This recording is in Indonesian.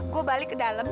gue balik ke dalam